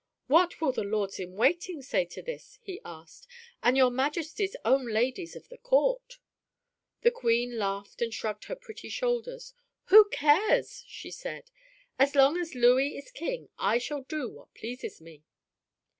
"What will the lords in waiting say to this?" he asked, "and your Majesty's own ladies of the court?" The Queen laughed and shrugged her pretty shoulders. "Who cares?" she said. "As long as Louis is king I shall do what pleases me."